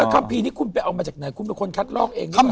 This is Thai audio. คำพีนี่คุณไปเอามาจากไหนคุณเป็นคนคัดลอกเอง